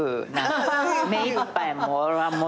目いっぱい俺は。